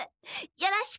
よろしく。